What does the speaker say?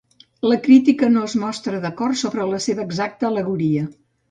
La crítica no es mostra d'acord sobre la seva exacta al·legoria.